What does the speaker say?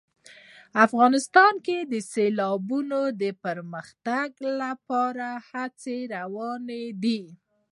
افغانستان کې د سیلابونو د پرمختګ لپاره هڅې روانې دي.